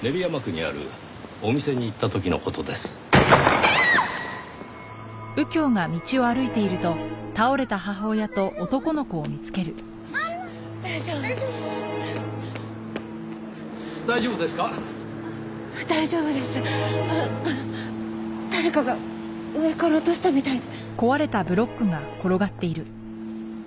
ああの誰かが上から落としたみたいで。